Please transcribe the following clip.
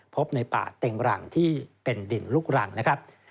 พบในป่าเต็งรังที่เป็นดินลูกรังนะครับ